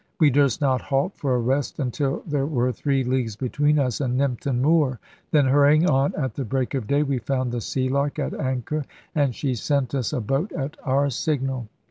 We durst not halt for a rest until there were three leagues between us and Nympton Moor; then hurrying on at the break of day, we found the Sealark at anchor; and she sent us a boat, at our signal.